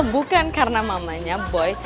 bukan karena mamanya boy